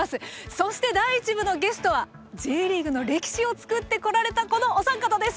そして第１部のゲストはＪリーグの歴史を作ってこられたこのお三方です。